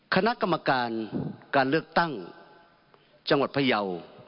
คณะกรรมการการเลือกตั้งจังหวัดพยาว